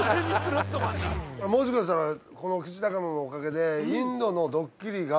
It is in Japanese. もしかしたらこのきしたかののおかげで。